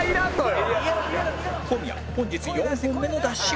小宮本日４本目のダッシュ